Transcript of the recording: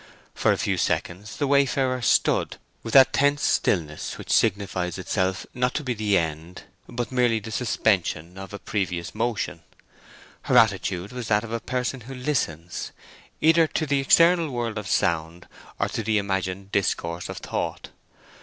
For a few seconds the wayfarer stood with that tense stillness which signifies itself to be not the end, but merely the suspension, of a previous motion. Her attitude was that of a person who listens, either to the external world of sound, or to the imagined discourse of thought.